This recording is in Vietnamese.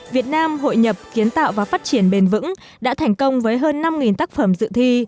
việt nam hội nhập kiến tạo và phát triển bền vững đã thành công với hơn năm tác phẩm dự thi